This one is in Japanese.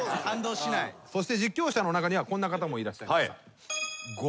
そして実況者の中にはこんな方もいらっしゃいました。